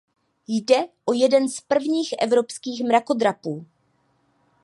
Jde o jeden z prvních evropských mrakodrapů.